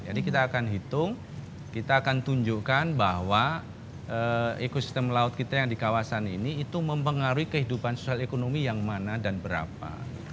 jadi kita akan hitung kita akan tunjukkan bahwa ekosistem laut kita yang di kawasan ini itu mempengaruhi kehidupan sosial ekonomi yang mana dan berapa